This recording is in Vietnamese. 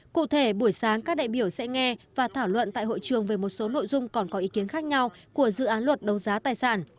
cụ thể buổi sáng các đại biểu sẽ nghe và thảo luận tại hội trường về một số nội dung còn có ý kiến khác nhau của dự án luật đấu giá tài sản